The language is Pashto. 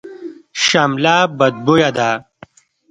شمله بدبویه ده.